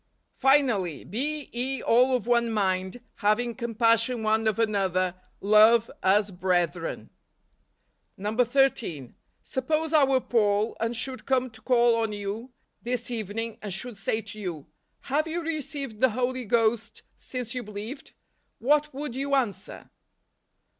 " Finally , be ye all of one mind , having com¬ passion one of another , love as brethren ." 13. Suppose I were Paul, and should come to call on you this evening, and should say to you, " Have you received the Holy Ghost since you believed ?" what would you answer